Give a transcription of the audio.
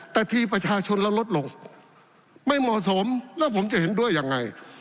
แต่พี่ประชาชนเราลดลงไม่เหมาะสมแล้วผมจะเห็นด้วยยังไง